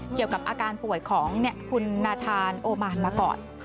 เกี่ยวกับอาการป่วยของคุณนาธานโอมานมาก่อน